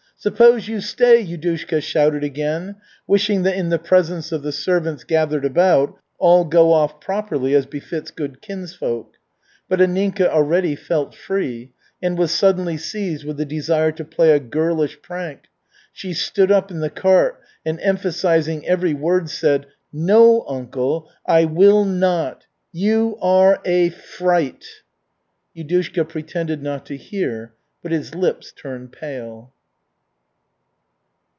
"Suppose you stay!" Yudushka shouted again, wishing that in the presence of the servants gathered about, all go off properly as befits good kinsfolk. But Anninka already felt free, and was suddenly seized with a desire to play a girlish prank. She stood up in the cart and emphasizing every word, said, "No, uncle, I will not! You are a fright!" Yudushka pretended not to hear, but his lips turned pale.